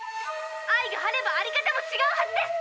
愛があればあり方もちがうはずです！